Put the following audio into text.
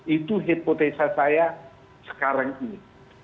itu hipotesa saya sekarang ini